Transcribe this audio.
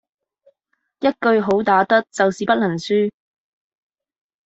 一句好打得就是不能輸